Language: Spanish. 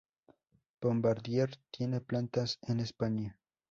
Bombardier tiene plantas en España.